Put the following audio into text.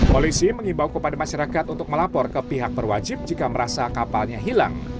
polisi mengimbau kepada masyarakat untuk melapor ke pihak berwajib jika merasa kapalnya hilang